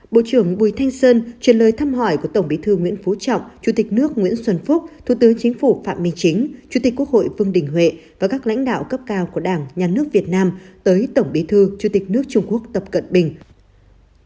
bộ trưởng bùi thanh sơn truyền lời thăm hỏi của tổng bí thư nguyễn phú trọng chủ tịch nước nguyễn xuân phúc thủ tướng chính phủ phạm minh chính chủ tịch quốc hội vương đình huệ và các lãnh đạo cấp cao của đảng nhà nước việt nam tới tổng bí thư chủ tịch nước trung quốc tập cận bình